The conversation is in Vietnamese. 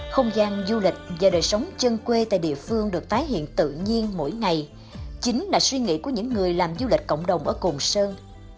không gian du lịch và đời sống chân quê tại địa phương được tái hiện tự nhiên mỗi ngày chính là suy nghĩ của những người làm du lịch cộng đồng ở cồn sơn